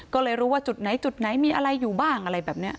ก็เลยรู้ว่าจุดไหนจุดไหนมีอะไรอยู่บ้างอะไรแบบนี้